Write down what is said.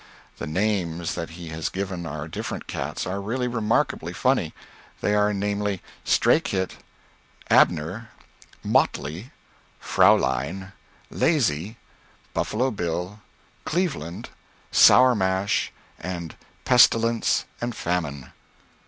The names that he has given our different cats, are realy remarkably funny, they are namely Stray Kit, Abner, Motley, Fraeulein, Lazy, Bufalo Bill, Cleveland, Sour Mash, and Pestilence and Famine.